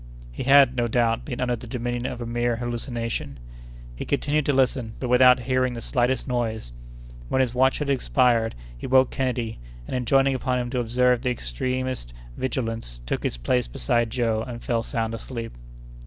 He had, no doubt, been under the dominion of a mere hallucination. He continued to listen, but without hearing the slightest noise. When his watch had expired, he woke Kennedy, and, enjoining upon him to observe the extremest vigilance, took his place beside Joe, and fell sound asleep.